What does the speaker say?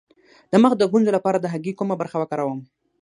د مخ د ګونځو لپاره د هګۍ کومه برخه وکاروم؟